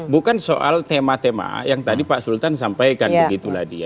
bukan soal tema tema yang tadi pak sultan sampaikan begitulah dia